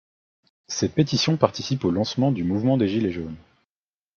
Cette pétition participe au lancement du mouvement des Gilets jaunes.